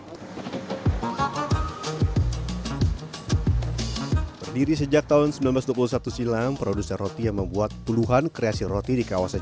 berdiri sejak tahun seribu sembilan ratus dua puluh satu silam produser roti yang membuat puluhan kreasi roti di kawasan